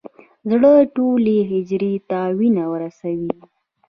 زړه ټولې حجرې ته وینه رسوي.